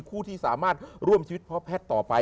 ผู้ที่สามารถร่วมชีวิตพ่อแพทย์ต่อไป